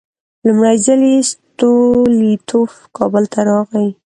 لومړی ځل چې ستولیتوف کابل ته راغی.